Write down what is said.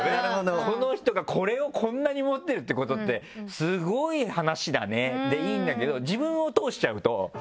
「この人がこれをこんなに持ってるってことってスゴい話だね」でいいんだけど自分を通しちゃうと。